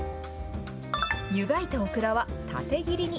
湯がいたオクラは縦切りに。